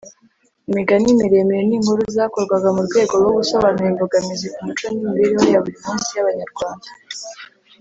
Imigani miremire: ni nkuru zakorwaga murwego rwo gusobanura imbogamizi ku muco n’imibereho ya buri munsi y’abanyarwanda